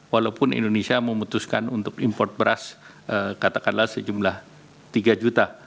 walaupun indonesia memutuskan untuk import beras katakanlah sejumlah tiga juta